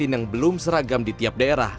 yang belum seragam di tiap daerah